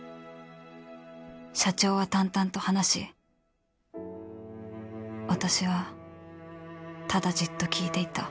社長は淡々と話し私はただじっと聞いていた